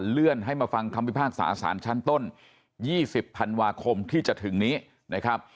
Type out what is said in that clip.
เลื่อนให้มาฟังคำพิพากษาสารชั้นต้น๒๐ธันวาคมที่จะถึงนี้นะครับ